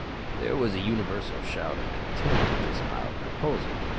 There was a universal shout of contempt at this mild proposal.